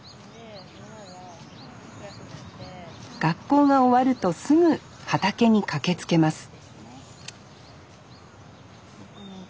学校が終わるとすぐ畑に駆けつけます